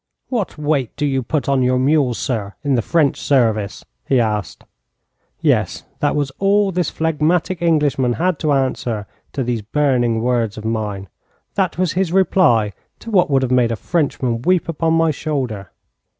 'What weight do you put on your mules, sir, in the French service?' he asked. Yes, that was all this phlegmatic Englishman had to answer to these burning words of mine. That was his reply to what would have made a Frenchman weep upon my shoulder.